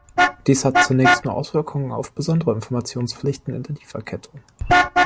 Dies hat zunächst nur Auswirkungen auf besondere Informationspflichten in der Lieferkette.